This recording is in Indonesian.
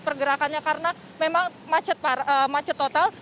karena memang macet total